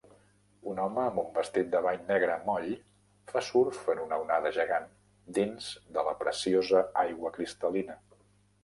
Un home amb un vestit de bany negre moll fa surf en una onada gegant dins de la preciosa aigua cristal·lina.